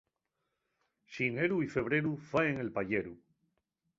Xineru y febreru, faen el payeru.